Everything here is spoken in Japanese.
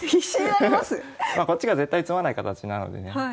こっちが絶対詰まない形なのでね。